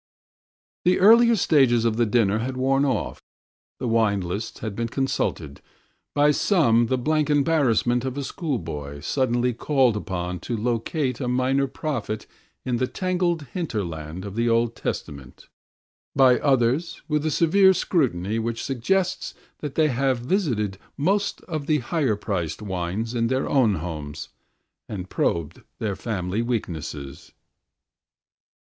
"The earlier stages of the dinner had worn off. The wine lists had been consulted, by some with the blank embarrassment of a schoolboy suddenly called upon to locate a Minor Prophet in the tangled hinterland of the Old Testament, by others with the severe scrutiny which suggests that they have visited most of the higher priced wines in their own homes and probed their family weaknesses."